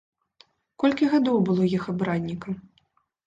Колькі гадоў было іх абраннікам?